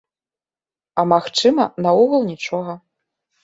А магчыма, наогул нічога.